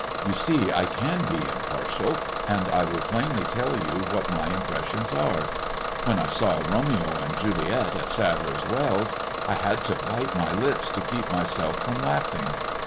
You see I can be impartial, and I will plainly tell you what my impressions are. When I saw 'Romeo and Juliet' at Sadler's wells, I had to bite my lips to keep myself from laughing.